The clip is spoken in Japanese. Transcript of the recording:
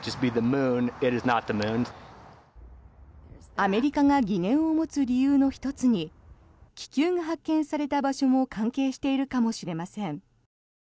アメリカが疑念を持つ理由の１つに気球が発見された場所も関係しているかもしれません。